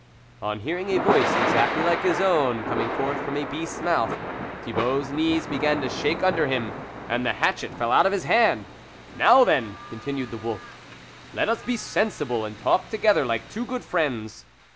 On hearing a voice exactly like his own coming forth from a beast's mouth, Thibault's knees began to shake under him, and the hatchet fell out of his hand. " Now then," continued the wolf, " let us be sensible and talk together like two good friends.